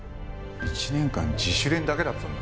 １年間自主練だけだったんだろ？